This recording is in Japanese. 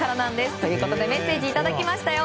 ということでメッセージをいただきましたよ。